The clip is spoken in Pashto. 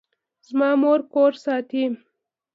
زما مور کور ساتي